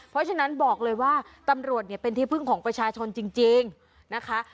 เพราะฉะนั้นบอกเลยว่าตำรวจเนี่ยเป็นที่พึ่งของประชาชนจริงนะคะ